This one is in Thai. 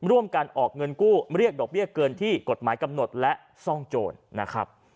ร่วมกันออกเงินกู้เรียกดอกเบี้ยเกินที่กฎหมายกำหนดและซ่องโจรนะครับ